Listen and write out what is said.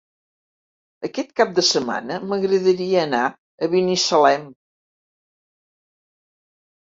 Aquest cap de setmana m'agradaria anar a Binissalem.